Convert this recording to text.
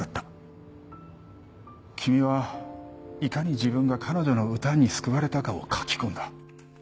君はいかに自分が彼女の歌に救われたかを書き込んだ。